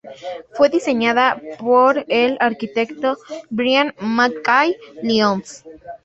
Fue diseñada por el arquitecto Brian MacKay-Lyons.